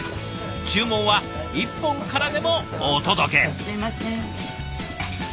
注文は１本からでもお届け。